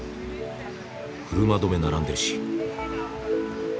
車止め並んでるし。